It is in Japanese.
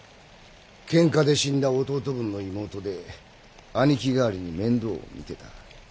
けんかで死んだ弟分の妹で兄貴代わりに面倒をみてた。